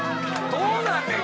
どうなんねん？